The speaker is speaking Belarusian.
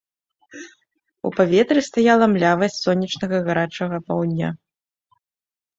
У паветры стаяла млявасць сонечнага гарачага паўдня.